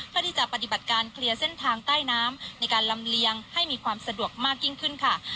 เพื่อที่จะปฏิบัติการเคลียร์เส้นทางใต้น้ำในการลำเลียงให้มีความสะดวกมากยิ่งขึ้นค่ะ